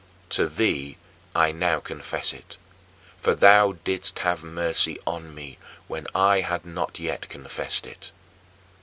To thee I now confess it, for thou didst have mercy on me when I had not yet confessed it.